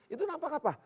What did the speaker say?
itu nampak apa